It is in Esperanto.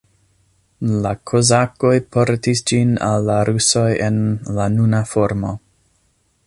La kozakoj portis ĝin al la rusoj en la nuna formo.